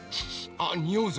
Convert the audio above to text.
あっにおうぞ！